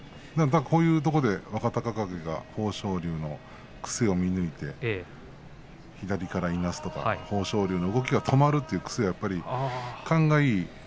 こういうところで若隆景が豊昇龍の癖を見抜いて左からいなすとか豊昇龍の動きが止まるという癖を勘がいい